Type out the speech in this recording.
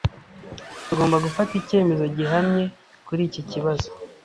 Tugomba gufata icyemezo gihamye kuri iki kibazo.